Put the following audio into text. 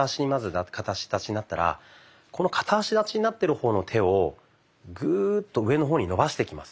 片足立ちになったらこの片足立ちになってる方の手をグーッと上の方に伸ばしていきます。